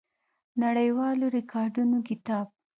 نړیوالو ریکارډونو کتاب